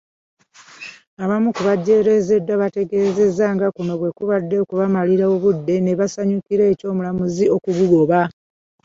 Abamu ku bejjeerezeddwa bategeezezza nga kuno bwe kubadde okubamalira obudde ne basanyukira eky'omulamuzi okugugoba.